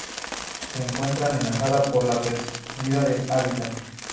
Se encuentra amenazada por la perdida de hábitat